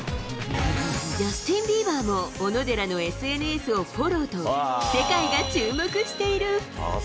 ジャスティン・ビーバーも、小野寺のＳＮＳをフォローと、世界が注目している。